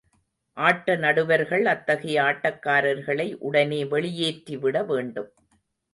ஆட்ட நடுவர்கள், அத்தகைய ஆட்டக்காரர்களை உடனே வெளியேற்றிவிட வேண்டும்.